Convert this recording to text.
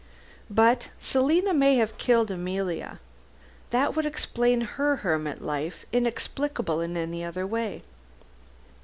"But Selina may have killed Emilia. That would explain her hermit life, inexplicable in any other way."